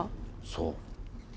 そう。